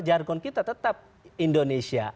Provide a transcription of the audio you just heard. jargon kita tetap indonesia